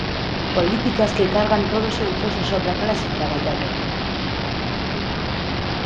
Políticas que cargan todo o seu peso sobre a clase traballadora.